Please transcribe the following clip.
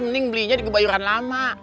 mending belinya dikebayuran lama